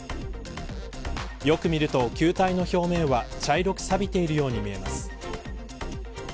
よく見ると、球体の表面は茶色くさびているように見えます。